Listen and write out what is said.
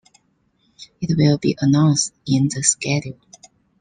It will be announced in the schedule.